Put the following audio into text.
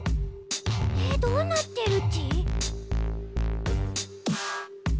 えっどうなってるち？